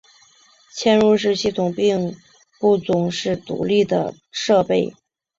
嵌入式系统并不总是独立的设备。